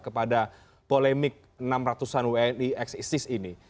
kepada polemik enam ratusan wni ex isis ini